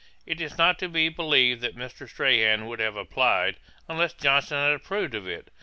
It is not to be believed that Mr. Strahan would have applied, unless Johnson had approved of it.